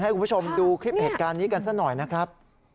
ให้คุณผู้ชมดูคลิปเหตุการณ์นี้กันซะหน่อยนะครับ